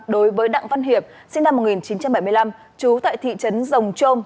đối với đặng văn hiệp sinh năm một nghìn chín trăm bảy mươi năm trú tại thị trấn rồng trôm